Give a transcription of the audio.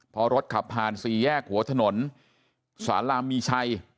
พอรถขับผ่านสี่แยกหัวถนนสาลามมีชัย